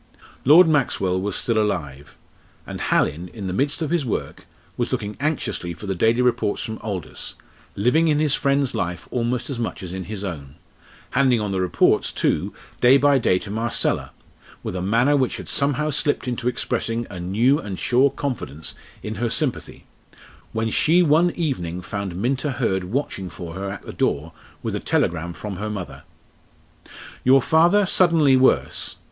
Lord Maxwell was still alive, and Hallin, in the midst of his work, was looking anxiously for the daily reports from Aldous, living in his friend's life almost as much as in his own handing on the reports, too, day by day to Marcella, with a manner which had somehow slipped into expressing a new and sure confidence in her sympathy when she one evening found Minta Hurd watching for her at the door with a telegram from her mother: "Your father suddenly worse.